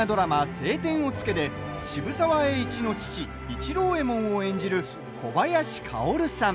「青天を衝け」で渋沢栄一の父・市郎右衛門を演じる小林薫さん。